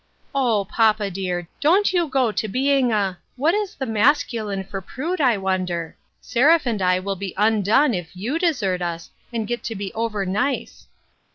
"O, papa dear! Don't you go to being a — what is the masculine for prude, I wonder ? Seraph and I will be undone if you desert us, and get to be over nice."